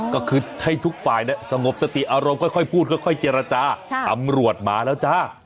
ก็คือให้ทุกฝ่ายสงบสติอารมณ์ค่อยพูดค่อยเจรจาตำรวจมาแล้วจ้า